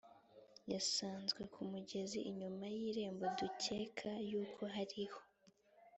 yasanzwe ku mugezi inyuma y irembo dukeka yuko hariho